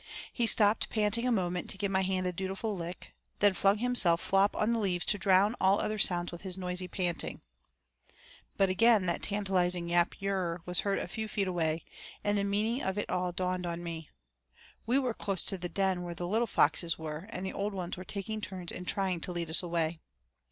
He stopped panting a moment to give my hand a dutiful lick, then flung himself flop on the leaves to drown all other sounds with his noisy panting. But again that tantilizing 'Yap yurrr' was heard a few feet away, and the meaning of it all dawned on me. We were close to the den where the little foxes were, and the old ones were taking turns in trying to lead us away.